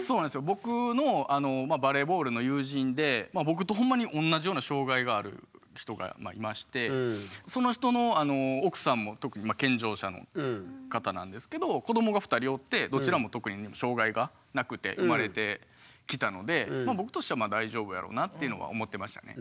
僕のバレーボールの友人で僕とほんまに同じような障害がある人がいましてその人の奥さんも健常者の方なんですけど子どもが２人おってどちらも特に障害がなくて生まれてきたので僕としては大丈夫やろうなっていうのは思ってましたね。